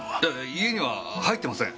家には入ってません。